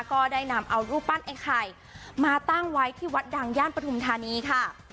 ก็ได้นำเอารูปปั้นไอ้ไข่มาตั้งไว้ที่วัดดังย่านปฐุมธานีค่ะ